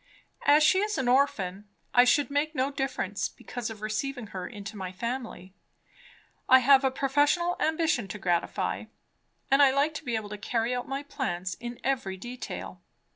As she is an orphan, I should make no difference because of receiving her into my family. I have a professional ambition to gratify, and I like to be able to carry out my plans in every detail.